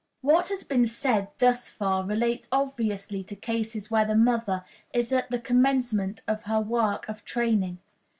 What has been said thus far relates obviously to cases where the mother is at the commencement of her work of training.